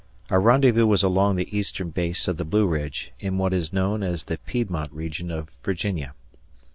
Our rendezvous was along the eastern base of the Blue Ridge, in what is known as the Piedmont region of Virginia.